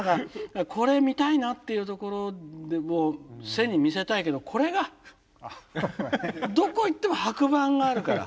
これ見たいなっていうところで背に見せたいけどこれがどこ行っても白板があるから。